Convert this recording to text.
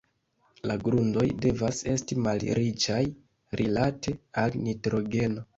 La grundoj devas esti malriĉaj rilate al nitrogeno.